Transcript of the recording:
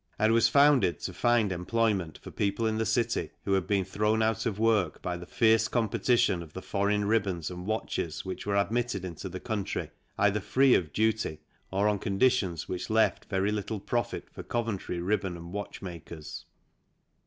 and was founded to find employment for people in the city who had been thrown out of work by the fierce competition of the foreign ribbons and watches which were admitted into the country, either free of duty or on conditions which left very little profit for Coventry ribbon and watch makers.